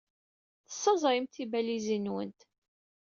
Tessaẓayemt tibalizin-nwent.